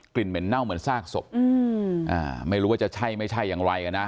กลิ่นเหม็นเน่าเหมือนซากศพอืมอ่าไม่รู้ว่าจะใช่ไม่ใช่อย่างไรนะค่ะ